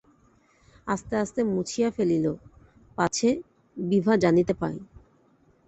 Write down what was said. আস্তে আস্তে মুছিয়া ফেলিল, পাছে বিভা জানিতে পায়।